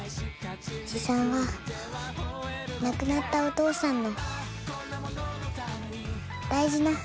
叔父さんは亡くなったお父さんの大事な弟だから。